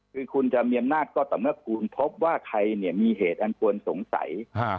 คือคุณจะมีอำนาจก็ต่อเมื่อคุณพบว่าใครเนี่ยมีเหตุอันควรสงสัย